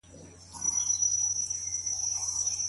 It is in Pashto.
د ظالمانه پريکړو په وړاندې چوپ مه پاتې کيږئ.